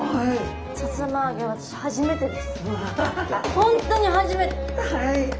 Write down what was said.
本当に初めて。